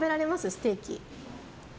ステーキ。